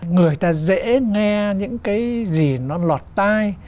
người ta dễ nghe những cái gì nó lọt tai